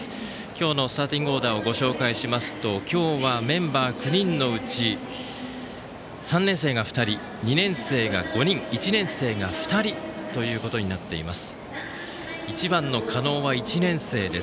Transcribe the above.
今日のスタンディングオーダーをご紹介しますと今日はメンバー９人のうち３年生が２人２年生が５人１年生が２人となっています。